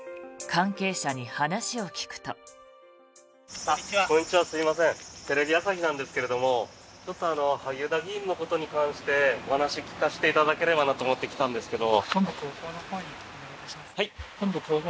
こんにちは、すいませんテレビ朝日なんですけどちょっと萩生田議員のことに関してお話を聞かせていただければと思って来たんですけど。